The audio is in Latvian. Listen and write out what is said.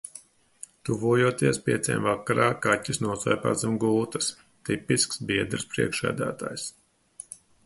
Tuvojoties pieciem vakarā, kaķis noslēpās zem gultas. Tipisks biedrs priekšsēdētājs.